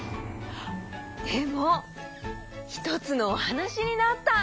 でもひとつのおはなしになった！